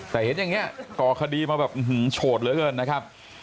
แต่เห็นอย่างนี้ก่อคดีมาแบบโฉดเหลือเกินนะครับ